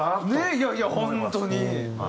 いやいや本当に。